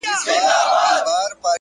انسانه دوه لاسي درته سلام کؤم ضمير يم